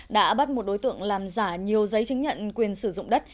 đã bắt một đối tượng làm giả nhiều giấy chứng nhận quyền sử dụng đất